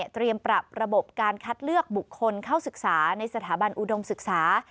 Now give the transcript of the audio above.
ปรับระบบการคัดเลือกบุคคลเข้าศึกษาในสถาบันอุดมศึกษา